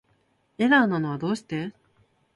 エラーなのはどうして